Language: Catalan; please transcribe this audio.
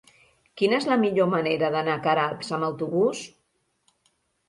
Quina és la millor manera d'anar a Queralbs amb autobús?